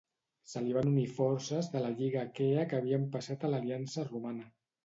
Se li van unir forces de la Lliga Aquea que havien passat a l'aliança romana.